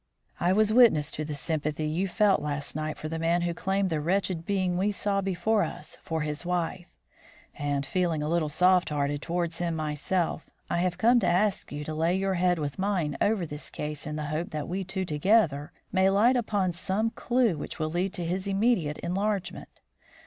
I was witness to the sympathy you felt last night for the man who claimed the wretched being we saw before us for his wife; and, feeling a little soft hearted towards him myself, I have come to ask you to lay your head with mine over this case in the hope that we two together may light upon some clue which will lead to his immediate enlargement.